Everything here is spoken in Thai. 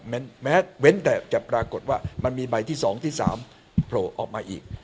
แม้เว้นแต่จะปรากฏว่ามันมีใบที่๒ที่๓โผล่ออกมาอีก